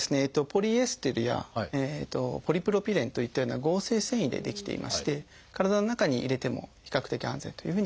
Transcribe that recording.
ポリエステルやポリプロピレンといったような合成繊維で出来ていまして体の中に入れても比較的安全というふうにいわれています。